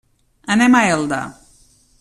Anem a Elda.